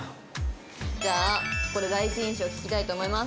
じゃあここで第一印象聞きたいと思います。